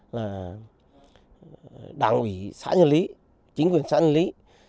là đảng ủy xã nhân lý chính quyền xã nhân lý